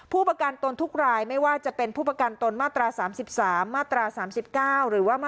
ผู้ประกันตนทุกรายไม่ว่าจะเป็นผู้ประกันตนมาตรา๓๓มาตรา๓๙หรือว่า